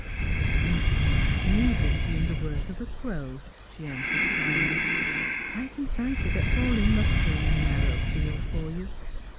" You feel like an eagle doing the work of a crow," she answered, smiling. " I can fancy that Hawleigh must seem a narrow field for you.